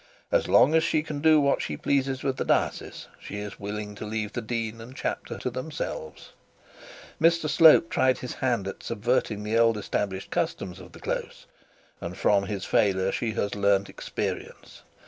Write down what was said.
As long as she can do what she pleases with the diocese, she is willing to leave the dean and chapter to themselves. Mr Slope tried his hand at subverting the old established customs of the close, and from his failure she has learnt experience.